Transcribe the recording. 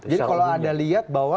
jadi kalau anda lihat bahwa